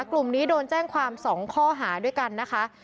กลุ่มนี้โดนแจ้งความ๒ข้อหาด้วยกันนะคะ